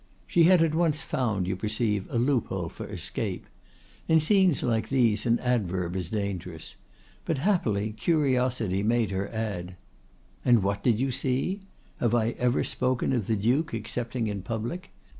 "She had at once found, you perceive, a loophole for escape. In scenes like these an adverb is dangerous. But, happily, curiosity made her add: 'And what did you see? Have I ever spoken of the Duke excepting in public?